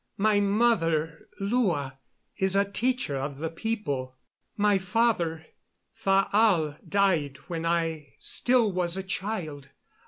My mother, Lua, is a teacher of the people. My father, Thaal, died when still I was a child.